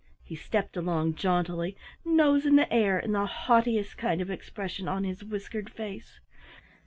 He stepped along jauntily, nose in the air and the haughtiest kind of expression on his whiskered face.